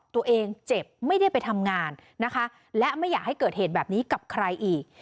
ตัวเองเจ็บไม่ได้ไปทำงานนะคะและไม่อยากให้เกิดเหตุแบบนี้กับใครอีก